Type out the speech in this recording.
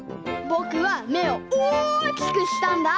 ぼくはめをおおきくしたんだ！